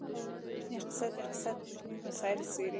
کوچنی اقتصاد، د اقتصاد کوچني مسایل څیړي.